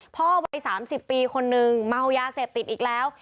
พ่อวัย๓๐ปีคนนึงเมายาเสพติดอีกแล้ว